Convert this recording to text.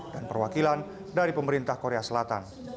dan perwakilan dari pemerintah korea selatan